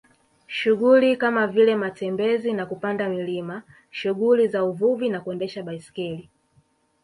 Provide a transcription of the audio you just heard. Shughuli kama vile matembezi na kupanda milima shughuli za uvuvi na kuendesha baiskeli